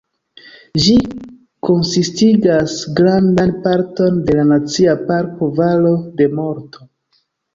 Ĝi konsistigas grandan parton de la Nacia Parko Valo de Morto.